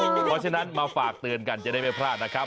เพราะฉะนั้นมาฝากเตือนกันจะได้ไม่พลาดนะครับ